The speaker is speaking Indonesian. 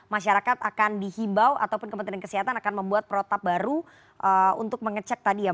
masyarakat akan dihimbau ataupun kementerian kesehatan akan membuat protap baru untuk mengecek tadi ya